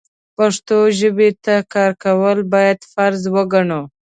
پښتو ژبې ته کار کول بايد فرض وګڼو.